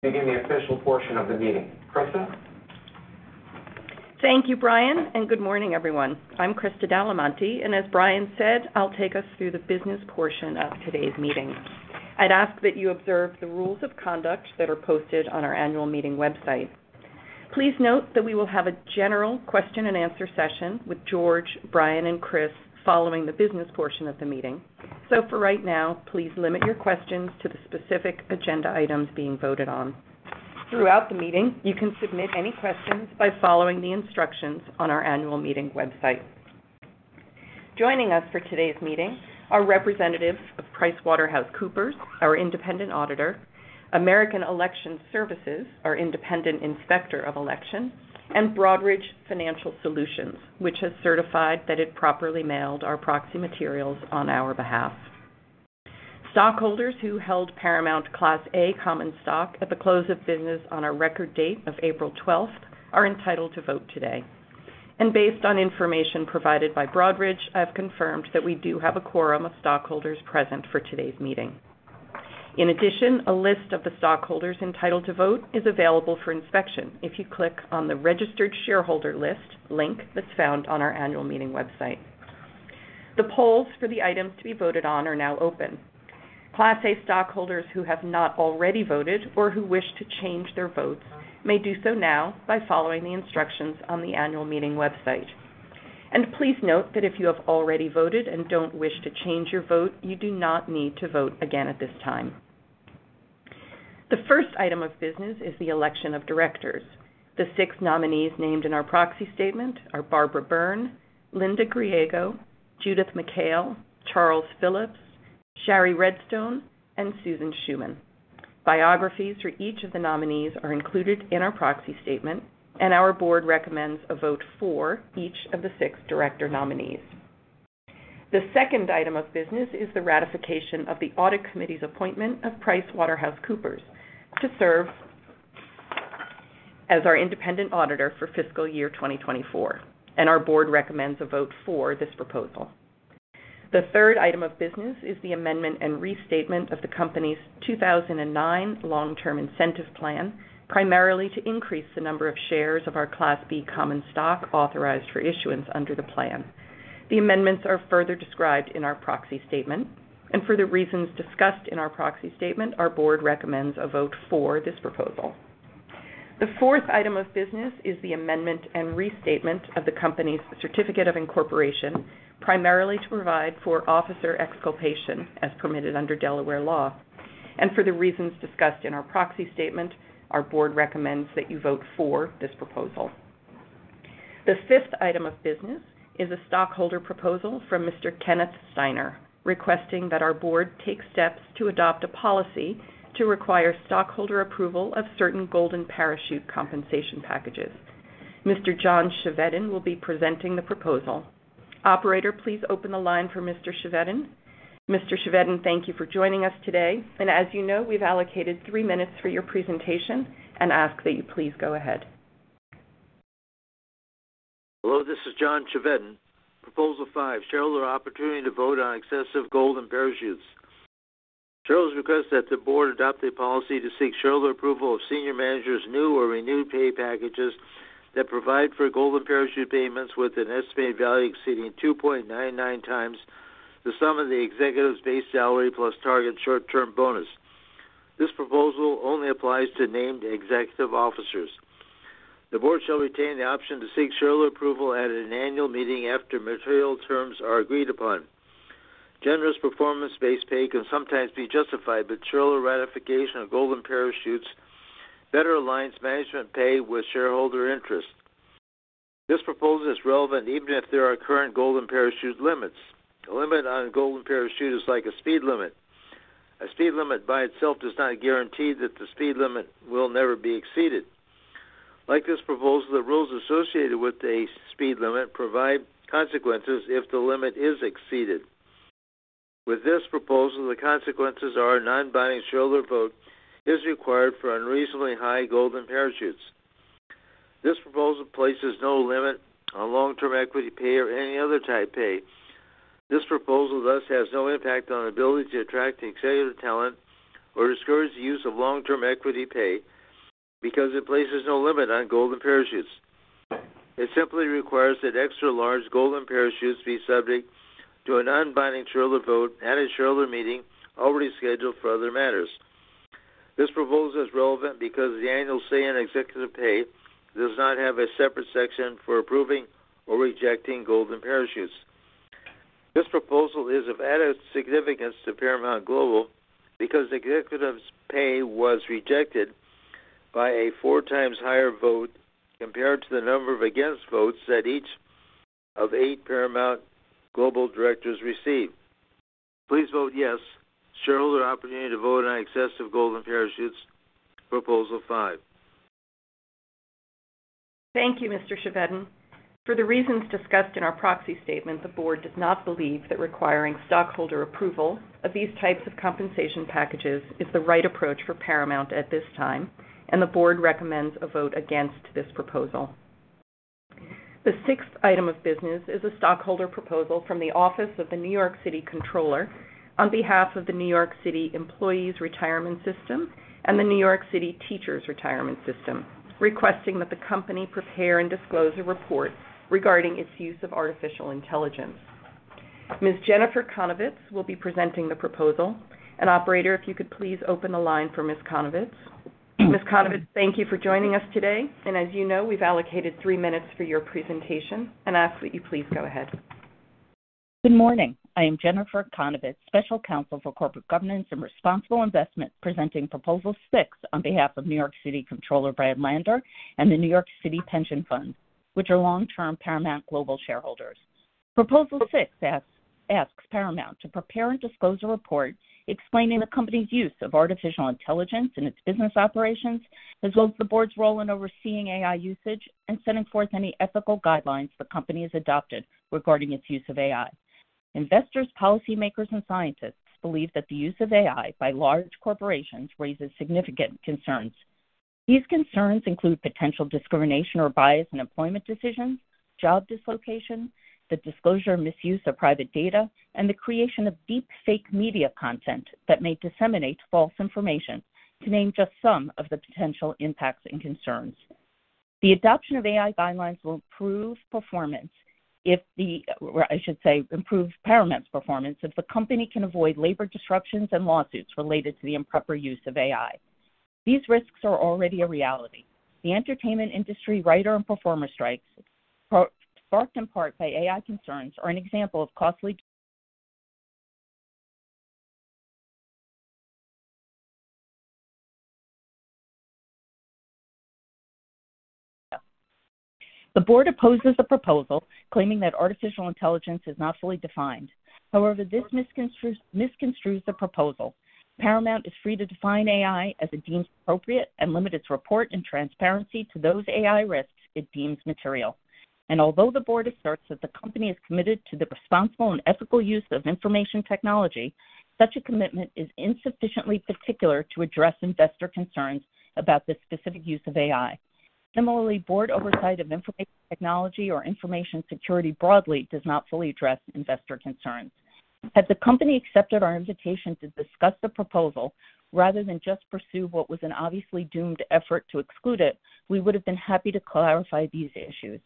Begin the official portion of the meeting. Christa? Thank you, Brian, and good morning, everyone. I'm Christa D'Alimonte, and as Brian said, I'll take us through the business portion of today's meeting. I'd ask that you observe the rules of conduct that are posted on our annual meeting website. Please note that we will have a general question-and-answer session with George, Brian, and Chris following the business portion of the meeting. So for right now, please limit your questions to the specific agenda items being voted on. Throughout the meeting, you can submit any questions by following the instructions on our annual meeting website. Joining us for today's meeting are representatives of PricewaterhouseCoopers, our independent auditor, American Election Services, our independent inspector of election, and Broadridge Financial Solutions, which has certified that it properly mailed our proxy materials on our behalf. Stockholders who held Paramount Class A Common Stock at the close of business on our record date of April twelfth are entitled to vote today, and based on information provided by Broadridge, I've confirmed that we do have a quorum of stockholders present for today's meeting. In addition, a list of the stockholders entitled to vote is available for inspection if you click on the Registered Shareholder List link that's found on our annual meeting website. The polls for the items to be voted on are now open. Class A stockholders who have not already voted or who wish to change their votes may do so now by following the instructions on the annual meeting website. Please note that if you have already voted and don't wish to change your vote, you do not need to vote again at this time. The first item of business is the election of directors. The six nominees named in our proxy statement are Barbara Byrne, Linda Griego, Judith McHale, Charles Phillips, Shari Redstone, and Susan Schuman. Biographies for each of the nominees are included in our proxy statement, and our board recommends a vote for each of the six director nominees. The second item of business is the ratification of the Audit Committee's appointment of PricewaterhouseCoopers to serve as our independent auditor for fiscal year 2024, and our board recommends a vote for this proposal. The third item of business is the amendment and restatement of the company's 2009 long-term incentive plan, primarily to increase the number of shares of our Class B common stock authorized for issuance under the plan. The amendments are further described in our proxy statement, and for the reasons discussed in our proxy statement, our board recommends a vote for this proposal. The fourth item of business is the amendment and restatement of the company's Certificate of Incorporation, primarily to provide for officer exculpation as permitted under Delaware law. For the reasons discussed in our proxy statement, our board recommends that you vote for this proposal. The fifth item of business is a stockholder proposal from Mr. Kenneth Steiner, requesting that our board take steps to adopt a policy to require stockholder approval of certain golden parachute compensation packages. Mr. John Chevedden will be presenting the proposal. Operator, please open the line for Mr. Chevedden. Mr. Chevedden, thank you for joining us today, and as you know, we've allocated three minutes for your presentation and ask that you please go ahead. Hello, this is John Chevedden. Proposal 5, shareholder opportunity to vote on excessive golden parachutes. Shareholders request that the board adopt a policy to seek shareholder approval of senior managers' new or renewed pay packages that provide for golden parachute payments with an estimated value exceeding 2.99 times the sum of the executive's base salary plus target short-term bonus. This proposal only applies to named executive officers. The board shall retain the option to seek shareholder approval at an annual meeting after material terms are agreed upon. Generous performance-based pay can sometimes be justified, but shareholder ratification of golden parachutes better aligns management pay with shareholder interest. This proposal is relevant even if there are current golden parachute limits. A limit on golden parachute is like a speed limit. A speed limit by itself does not guarantee that the speed limit will never be exceeded. Like this proposal, the rules associated with a speed limit provide consequences if the limit is exceeded. With this proposal, the consequences are a non-binding shareholder vote is required for unreasonably high golden parachutes. This proposal places no limit on long-term equity pay or any other type pay. This proposal, thus, has no impact on ability to attract executive talent or discourage the use of long-term equity pay because it places no limit on golden parachutes. It simply requires that extra large golden parachutes be subject to a non-binding shareholder vote at a shareholder meeting already scheduled for other matters. This proposal is relevant because the annual say in executive pay does not have a separate section for approving or rejecting golden parachutes. This proposal is of added significance to Paramount Global because the executive's pay was rejected by a four times higher vote compared to the number of against votes that each of eight Paramount Global directors received. Please vote yes. Shareholder opportunity to vote on excessive golden parachutes, proposal five. Thank you, Mr. Chevedden. For the reasons discussed in our proxy statement, the board does not believe that requiring stockholder approval of these types of compensation packages is the right approach for Paramount at this time, and the board recommends a vote against this proposal. The sixth item of business is a stockholder proposal from the Office of the New York City Comptroller on behalf of the New York City Employees' Retirement System and the New York City Teachers' Retirement System, requesting that the company prepare and disclose a report regarding its use of artificial intelligence. Ms. Jennifer Conovitz will be presenting the proposal. Operator, if you could please open the line for Ms. Conovitz. Ms. Conovitz, thank you for joining us today, and as you know, we've allocated three minutes for your presentation and ask that you please go ahead. Good morning. I am Jennifer Conovitz, Special Counsel for Corporate Governance and Responsible Investment, presenting Proposal Six on behalf of New York City Comptroller, Brad Lander, and the New York City Pension Fund, which are long-term Paramount Global shareholders. Proposal Six asks Paramount to prepare and disclose a report explaining the company's use of artificial intelligence in its business operations, as well as the board's role in overseeing AI usage and setting forth any ethical guidelines the company has adopted regarding its use of AI. Investors, policymakers, and scientists believe that the use of AI by large corporations raises significant concerns. These concerns include potential discrimination or bias in employment decisions, job dislocation, the disclosure and misuse of private data, and the creation of deep fake media content that may disseminate false information, to name just some of the potential impacts and concerns. The adoption of AI guidelines will improve performance if the—or I should say, improve Paramount's performance, if the company can avoid labor disruptions and lawsuits related to the improper use of AI. These risks are already a reality. The entertainment industry writer and performer strikes, sparked in part by AI concerns, are an example of costly... The board opposes the proposal, claiming that artificial intelligence is not fully defined. However, this misconstrues, misconstrues the proposal. Paramount is free to define AI as it deems appropriate and limit its report and transparency to those AI risks it deems material. And although the board asserts that the company is committed to the responsible and ethical use of information technology, such a commitment is insufficiently particular to address investor concerns about the specific use of AI. Similarly, board oversight of information technology or information security broadly does not fully address investor concerns. Had the company accepted our invitation to discuss the proposal rather than just pursue what was an obviously doomed effort to exclude it, we would have been happy to clarify these issues.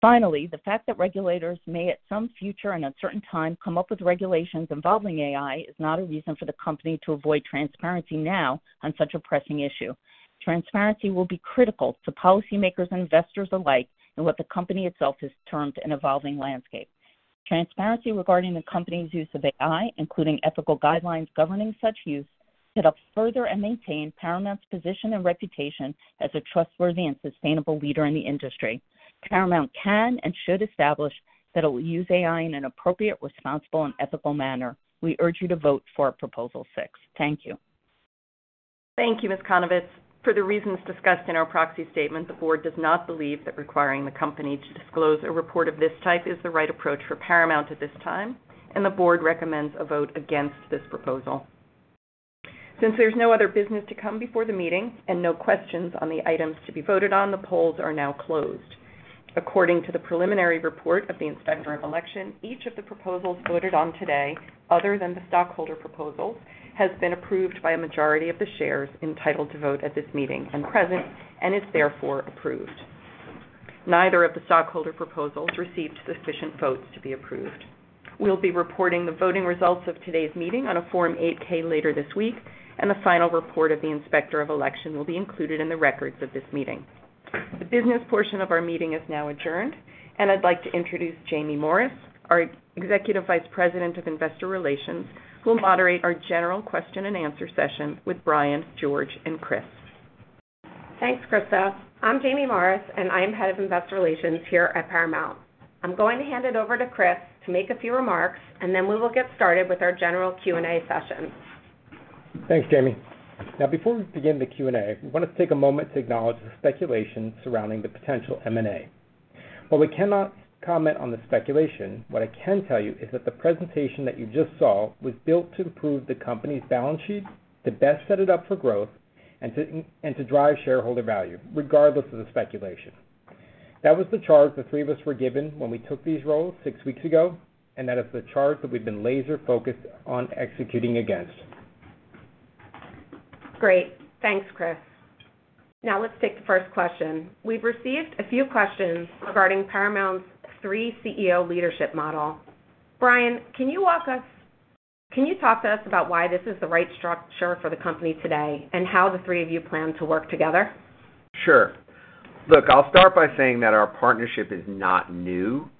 Finally, the fact that regulators may, at some future and uncertain time, come up with regulations involving AI is not a reason for the company to avoid transparency now on such a pressing issue. Transparency will be critical to policymakers and investors alike in what the company itself has termed an evolving landscape. Transparency regarding the company's use of AI, including ethical guidelines governing such use, could help further and maintain Paramount's position and reputation as a trustworthy and sustainable leader in the industry. Paramount can and should establish that it will use AI in an appropriate, responsible, and ethical manner. We urge you to vote for Proposal Six. Thank you. Thank you, Ms. Conovitz. For the reasons discussed in our proxy statement, the board does not believe that requiring the company to disclose a report of this type is the right approach for Paramount at this time, and the board recommends a vote against this proposal. Since there's no other business to come before the meeting and no questions on the items to be voted on, the polls are now closed. According to the preliminary report of the Inspector of Election, each of the proposals voted on today, other than the stockholder proposals, has been approved by a majority of the shares entitled to vote at this meeting and present, and is therefore approved. Neither of the stockholder proposals received sufficient votes to be approved. We'll be reporting the voting results of today's meeting on a Form 8-K later this week, and a final report of the Inspector of Election will be included in the records of this meeting. The business portion of our meeting is now adjourned, and I'd like to introduce Jaime Morris, our Executive Vice President of Investor Relations, who will moderate our general question-and-answer session with Brian, George, and Chris. Thanks, Christa. I'm Jamie Morris, and I am Head of Investor Relations here at Paramount. I'm going to hand it over to Chris to make a few remarks, and then we will get started with our general Q&A session. Thanks, Jamie. Now, before we begin the Q&A, we want to take a moment to acknowledge the speculation surrounding the potential M&A. While we cannot comment on the speculation, what I can tell you is that the presentation that you just saw was built to improve the company's balance sheet, to best set it up for growth, and to drive shareholder value, regardless of the speculation. That was the charge the three of us were given when we took these roles six weeks ago, and that is the charge that we've been laser-focused on executing against. Great. Thanks, Chris. Now, let's take the first question. We've received a few questions regarding Paramount's three CEO leadership model. Brian, can you talk to us about why this is the right structure for the company today, and how the three of you plan to work together? Sure. Look, I'll start by saying that our partnership is not new.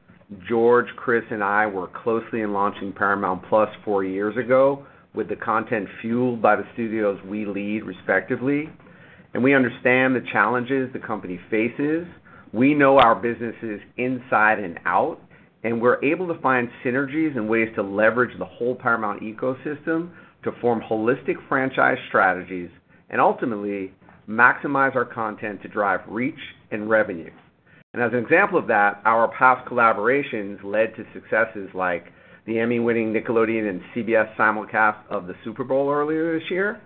George, Chris, and I were closely in launching Paramount+ four years ago with the content fueled by the studios we lead, respectively, and we understand the challenges the company faces. We know our businesses inside and out, and we're able to find synergies and ways to leverage the whole Paramount ecosystem to form holistic franchise strategies and ultimately maximize our content to drive reach and revenue. And as an example of that, our past collaborations led to successes like the Emmy-winning Nickelodeon and CBS simulcast of the Super Bowl earlier this year,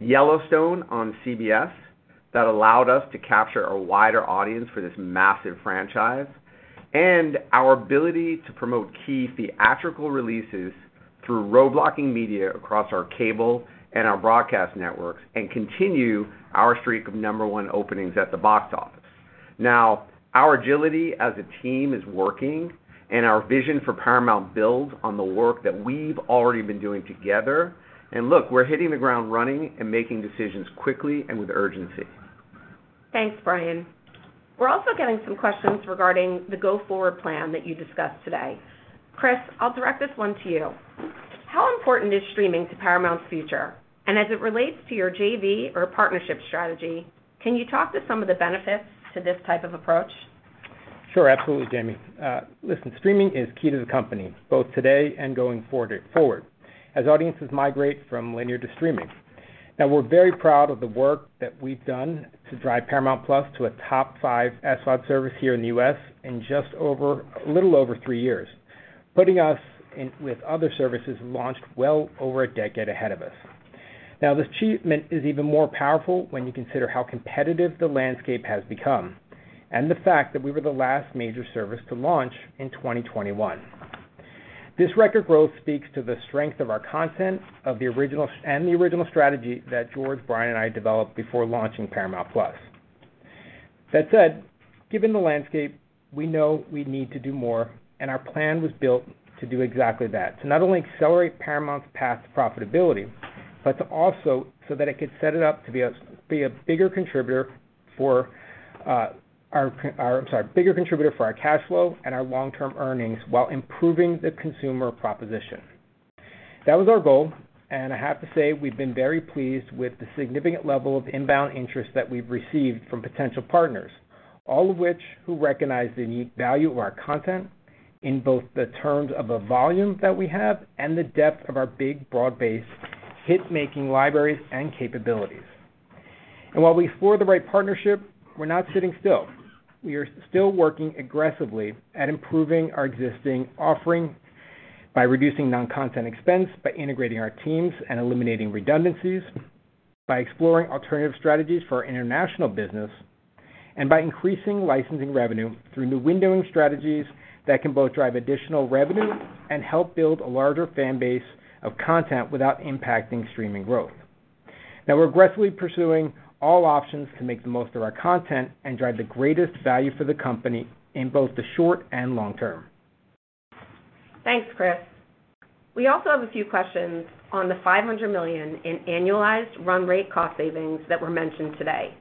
Yellowstone on CBS-... that allowed us to capture a wider audience for this massive franchise, and our ability to promote key theatrical releases through roadblocking media across our cable and our broadcast networks, and continue our streak of number one openings at the box office. Now, our agility as a team is working, and our vision for Paramount builds on the work that we've already been doing together. And look, we're hitting the ground running and making decisions quickly and with urgency. Thanks, Brian. We're also getting some questions regarding the go-forward plan that you discussed today. Chris, I'll direct this one to you. How important is streaming to Paramount's future? And as it relates to your JV or partnership strategy, can you talk to some of the benefits to this type of approach? Sure, absolutely, Jamie. Listen, streaming is key to the company, both today and going forward, as audiences migrate from linear to streaming. Now, we're very proud of the work that we've done to drive Paramount+ to a top five SVOD service here in the U.S. in just over a little over three years, putting us in with other services launched well over a decade ahead of us. Now, this achievement is even more powerful when you consider how competitive the landscape has become, and the fact that we were the last major service to launch in 2021. This record growth speaks to the strength of our content, of the original and the original strategy that George, Brian, and I developed before launching Paramount+. That said, given the landscape, we know we need to do more, and our plan was built to do exactly that. To not only accelerate Paramount's path to profitability, but to also so that it could set it up to be a, be a bigger contributor for our cash flow and our long-term earnings, while improving the consumer proposition. That was our goal, and I have to say, we've been very pleased with the significant level of inbound interest that we've received from potential partners, all of which who recognize the unique value of our content in both the terms of the volume that we have and the depth of our big, broad-based hit-making libraries and capabilities. And while we explore the right partnership, we're not sitting still. We are still working aggressively at improving our existing offering by reducing non-content expense, by integrating our teams and eliminating redundancies, by exploring alternative strategies for our international business, and by increasing licensing revenue through new windowing strategies that can both drive additional revenue and help build a larger fan base of content without impacting streaming growth. Now, we're aggressively pursuing all options to make the most of our content and drive the greatest value for the company in both the short and long term. Thanks, Chris. We also have a few questions on the $500 million in annualized run rate cost savings that were mentioned today.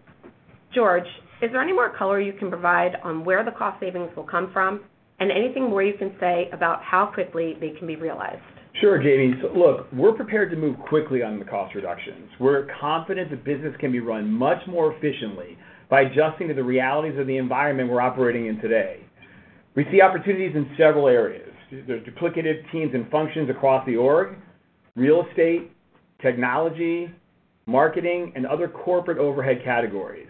George, is there any more color you can provide on where the cost savings will come from, and anything more you can say about how quickly they can be realized? Sure, Jamie. So look, we're prepared to move quickly on the cost reductions. We're confident the business can be run much more efficiently by adjusting to the realities of the environment we're operating in today. We see opportunities in several areas. There's duplicative teams and functions across the org, real estate, technology, marketing, and other corporate overhead categories.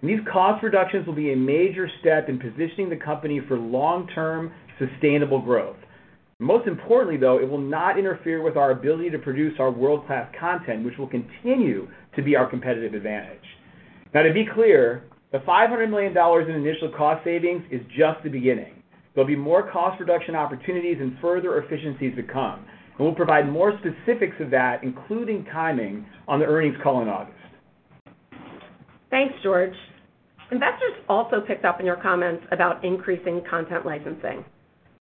And these cost reductions will be a major step in positioning the company for long-term, sustainable growth. Most importantly, though, it will not interfere with our ability to produce our world-class content, which will continue to be our competitive advantage. Now, to be clear, the $500 million in initial cost savings is just the beginning. There'll be more cost reduction opportunities and further efficiencies to come, and we'll provide more specifics of that, including timing, on the earnings call in August. Thanks, George. Investors also picked up in your comments about increasing content licensing.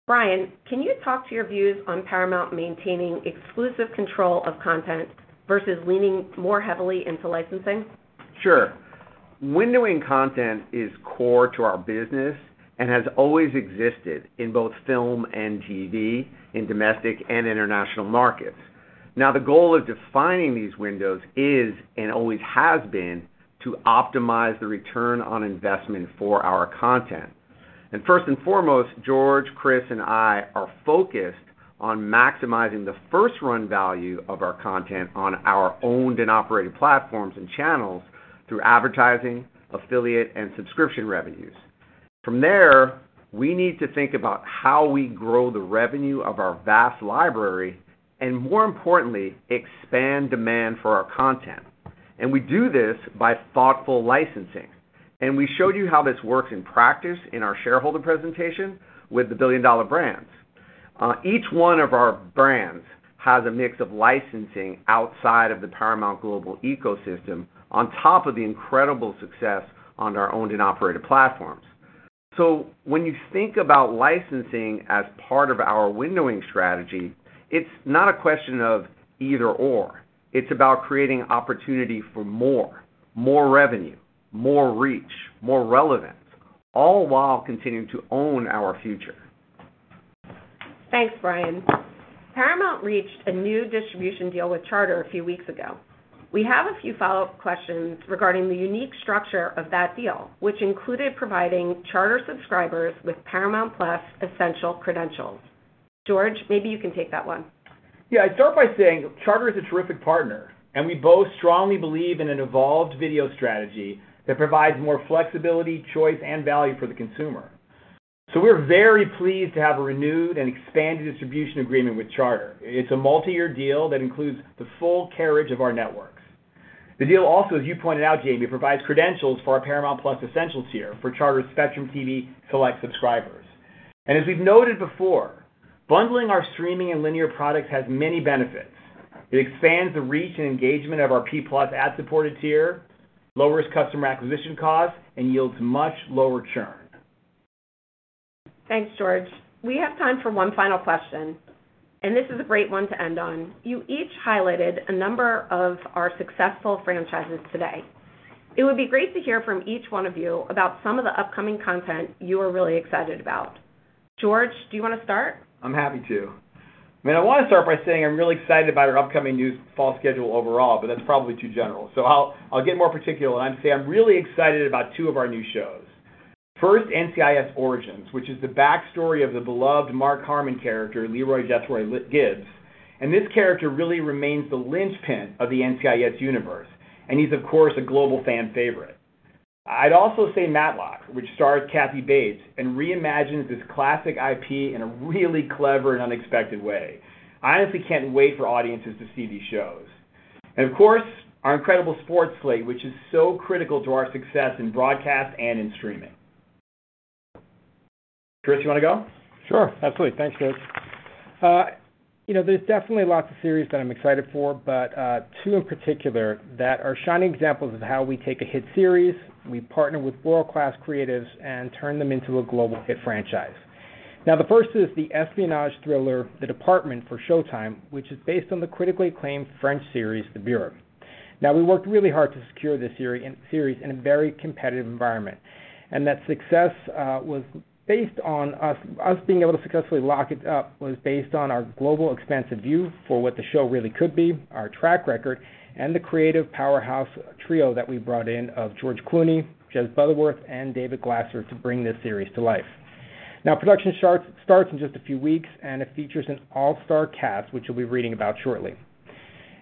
Brian, can you talk to your views on Paramount maintaining exclusive control of content versus leaning more heavily into licensing? Sure. Windowing content is core to our business and has always existed in both film and TV, in domestic and international markets. Now, the goal of defining these windows is, and always has been, to optimize the return on investment for our content. First and foremost, George, Chris, and I are focused on maximizing the first-run value of our content on our owned and operated platforms and channels through advertising, affiliate, and subscription revenues. From there, we need to think about how we grow the revenue of our vast library and, more importantly, expand demand for our content. We do this by thoughtful licensing. We showed you how this works in practice in our shareholder presentation with the billion-dollar brands. Each one of our brands has a mix of licensing outside of the Paramount Global ecosystem, on top of the incredible success on our owned and operated platforms. So when you think about licensing as part of our windowing strategy, it's not a question of either/or. It's about creating opportunity for more. More revenue, more reach, more relevance, all while continuing to own our future. Thanks, Brian. Paramount reached a new distribution deal with Charter a few weeks ago. We have a few follow-up questions regarding the unique structure of that deal, which included providing Charter subscribers with Paramount+ Essential credentials. George, maybe you can take that one. Yeah. I'd start by saying Charter is a terrific partner, and we both strongly believe in an evolved video strategy that provides more flexibility, choice, and value for the consumer. So we're very pleased to have a renewed and expanded distribution agreement with Charter. It's a multiyear deal that includes the full carriage of our networks. The deal also, as you pointed out, Jamie, provides credentials for our Paramount+ Essential tier for Charter Spectrum TV Select subscribers. And as we've noted before, bundling our streaming and linear products has many benefits. It expands the reach and engagement of our P-plus ad-supported tier, lowers customer acquisition costs, and yields much lower churn. Thanks, George. We have time for one final question, and this is a great one to end on. You each highlighted a number of our successful franchises today. It would be great to hear from each one of you about some of the upcoming content you are really excited about. George, do you wanna start? I'm happy to. I mean, I wanna start by saying I'm really excited about our upcoming new fall schedule overall, but that's probably too general, so I'll get more particular and say I'm really excited about two of our new shows. First, NCIS: Origins, which is the backstory of the beloved Mark Harmon character, Leroy Jethro Gibbs, and this character really remains the linchpin of the NCIS universe, and he's, of course, a global fan favorite. I'd also say Matlock, which stars Kathy Bates and reimagines this classic IP in a really clever and unexpected way. I honestly can't wait for audiences to see these shows. And, of course, our incredible sports slate, which is so critical to our success in broadcast and in streaming. Chris, you wanna go? Sure. Absolutely. Thanks, George. You know, there's definitely lots of series that I'm excited for, but two in particular that are shining examples of how we take a hit series, we partner with world-class creatives and turn them into a global hit franchise. Now, the first is the espionage thriller, The Department, for Showtime, which is based on the critically acclaimed French series, The Bureau. Now, we worked really hard to secure this series in a very competitive environment, and that success was based on us being able to successfully lock it up, was based on our global, expansive view for what the show really could be, our track record, and the creative powerhouse trio that we brought in of George Clooney, Jez Butterworth, and David Glasser to bring this series to life. Now, production starts in just a few weeks, and it features an all-star cast, which you'll be reading about shortly.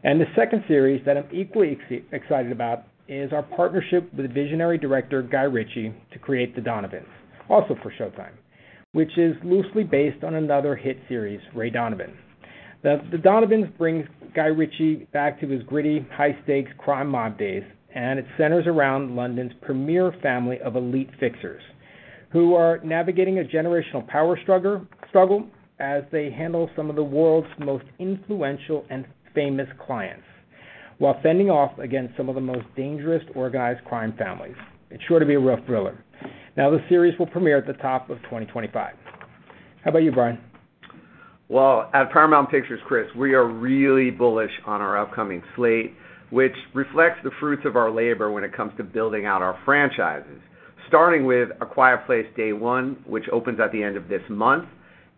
And the second series that I'm equally excited about is our partnership with visionary director Guy Ritchie, to create The Donovans, also for Showtime, which is loosely based on another hit series, Ray Donovan. Now, The Donovans brings Guy Ritchie back to his gritty, high-stakes crime mob days, and it centers around London's premier family of elite fixers, who are navigating a generational power struggle as they handle some of the world's most influential and famous clients, while fending off against some of the most dangerous organized crime families. It's sure to be a real thriller. Now, the series will premiere at the top of 2025. How about you, Brian? Well, at Paramount Pictures, Chris, we are really bullish on our upcoming slate, which reflects the fruits of our labor when it comes to building out our franchises. Starting with A Quiet Place: Day One, which opens at the end of this month,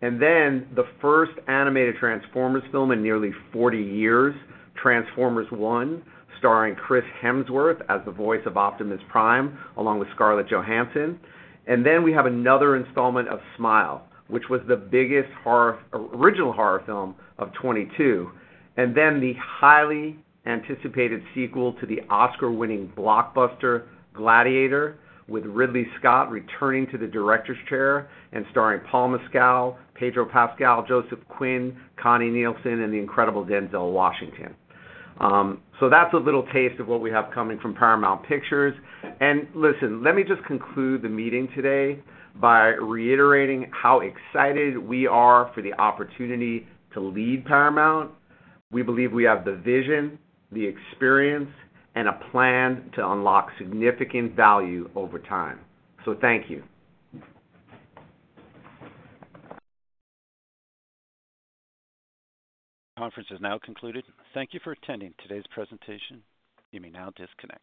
and then the first animated Transformers film in nearly 40 years, Transformers One, starring Chris Hemsworth as the voice of Optimus Prime, along with Scarlett Johansson. And then we have another installment of Smile, which was the biggest horror original horror film of 2022, and then the highly anticipated sequel to the Oscar-winning blockbuster, Gladiator, with Ridley Scott returning to the director's chair and starring Paul Mescal, Pedro Pascal, Joseph Quinn, Connie Nielsen, and the incredible Denzel Washington. So that's a little taste of what we have coming from Paramount Pictures. Listen, let me just conclude the meeting today by reiterating how excited we are for the opportunity to lead Paramount. We believe we have the vision, the experience, and a plan to unlock significant value over time. So thank you. Conference is now concluded. Thank you for attending today's presentation. You may now disconnect.